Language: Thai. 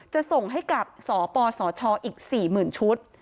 จะส่งให้กับสปสชอีก๔๐๐๐ชุด